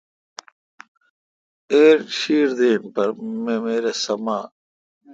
ایر چھیر دین پر ممیر سمانہ